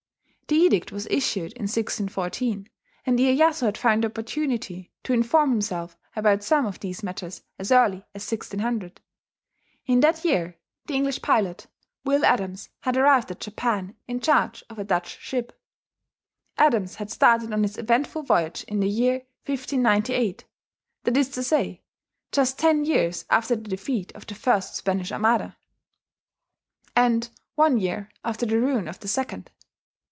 The edict was issued in 1614, and Iyeyasu had found opportunity to inform himself about some of these matters as early as 1600. In that year the English pilot Will Adams had arrived at Japan in charge of a Dutch ship, Adams had started on this eventful voyage in the year 1598, that is to say, just ten years after the defeat of the first Spanish Armada, and one year after the ruin of the second.